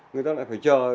người ta lại phải chờ